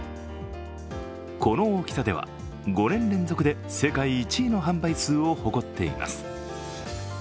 この大きさでは、５年連続で世界１位の販売数を誇っています。